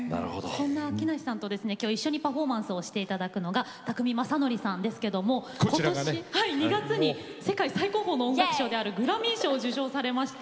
そんな木梨さんとですね今日一緒にパフォーマンスをしていただくのが宅見将典さんですけども今年２月に世界最高峰の音楽賞であるグラミー賞を受賞されましたが。